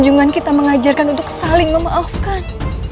jangan kita mengajarkan untuk saling memaafkan